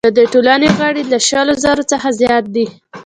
د دې ټولنې غړي له شلو زرو څخه زیات دي.